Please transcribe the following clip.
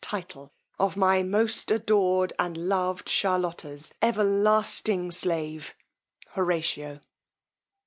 title of my most adored and loved Charlotta's. Everlasting Slave, HORATIO."